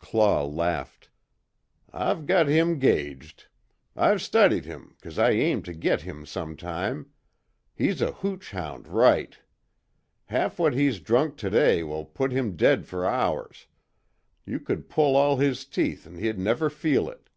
Claw laughed: "I've got him gauged. I've studied him 'cause I aimed to git him sometime. He's a hooch hound right. Half what he's drunk today will put him dead fer hours. You could pull all his teeth an' he'd never feel it.